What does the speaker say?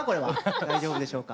大丈夫でしょうか。